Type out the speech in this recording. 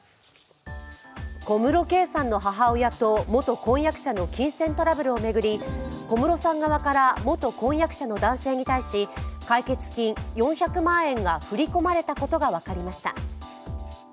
小室圭さんの母親と元婚約者の金銭トラブルを巡り小室さん側から元婚約者の男性に対し解決金４００万円が振り込まれたことが分かりました。